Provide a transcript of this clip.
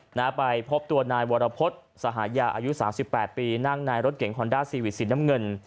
หน้าไปพบตัวนายวรพฤษสหายาอายุ๓๘ปีนั่งนายรถเก่งคอนด้าซีวิตสีน้ำเงิน